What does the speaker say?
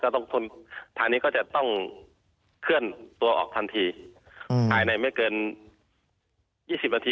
ต้องทนทางนี้ก็จะต้องเคลื่อนตัวออกทันทีภายในไม่เกิน๒๐นาที